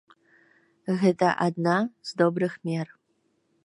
Гэта адна з добрых мер.